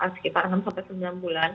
sekitar enam sembilan bulan